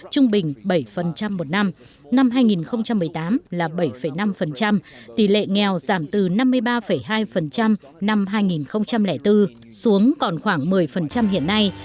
trung bình bảy một năm năm hai nghìn một mươi tám là bảy năm tỷ lệ nghèo giảm từ năm mươi ba hai năm hai nghìn bốn xuống còn khoảng một mươi hiện nay